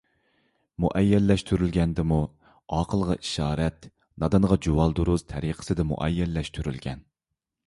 مۇئەييەنلەشتۈرۈلگەندىمۇ ئاقىلغا ئىشارەت نادانغا جۇۋالدۇرۇز تەرىقىسىدە مۇئەييەنلەشتۈرۈلگەن.